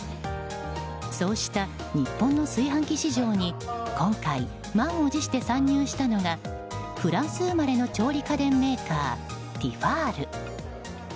そうした、日本の炊飯器市場に今回、満を持して参入したのがフランス生まれの調理家電メーカー、ティファール。